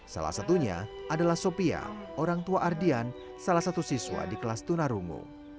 salah satunya adalah sopia orang tua ardian salah satu siswa di kelas tunarungu